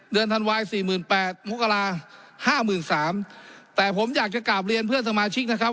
เดือนธันวาย๔๘๐๐๐มกรา๕๓๐๐๐แต่ผมอยากจะกลับเรียนเพื่อนสมาชิกนะครับ